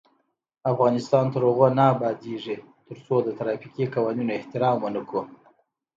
افغانستان تر هغو نه ابادیږي، ترڅو د ترافیکي قوانینو احترام ونکړو.